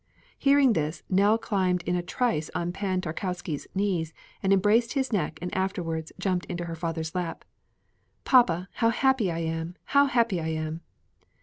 Hearing this, Nell climbed in a trice on Pan Tarkowski's knees and embraced his neck and afterwards jumped onto her father's lap. "Papa, how happy I am! how happy I am!"